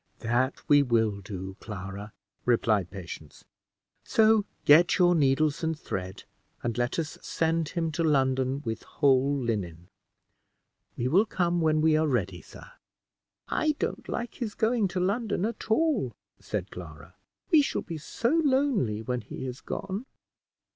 "That we will do, Clara;" replied Patience; "so get your needles and thread, and let us send him to London with whole linen. We will come when we are ready, sir." "I don't like his going to London at all," said Clara, "we shall be so lonely when he is gone."